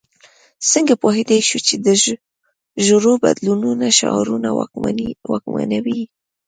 څنګه پوهېدای شو چې د ژورو بدلونونو شعارونه واکمنوي.